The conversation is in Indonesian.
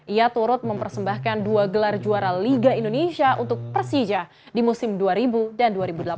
ia turut mempersembahkan dua gelar juara liga indonesia untuk persija di musim dua ribu dan dua ribu delapan belas